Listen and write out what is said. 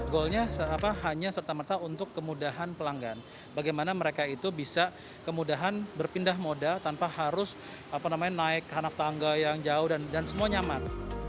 goalnya hanya serta merta untuk kemudahan pelanggan bagaimana mereka itu bisa kemudahan berpindah moda tanpa harus naik ke hanaf tangga yang jauh dan semua nyaman